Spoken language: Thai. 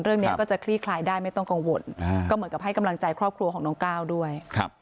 เรื่องนี้ก็จะคลี่คลายได้ไม่ต้องกังวลก็เหมือนกับให้กำลังใจครอบครัวของน้องก้าวด้วย